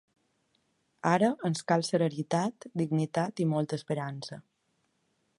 Ara ens cal serenitat, dignitat i molta esperança.